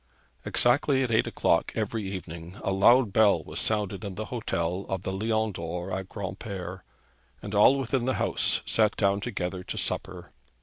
Exactly at eight o'clock every evening a loud bell was sounded in the hotel of the Lion d'Or at Granpere, and all within the house sat down together to supper.